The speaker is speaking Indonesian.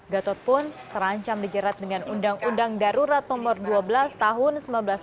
gatot pun terancam dijerat dengan undang undang darurat nomor dua belas tahun seribu sembilan ratus sembilan puluh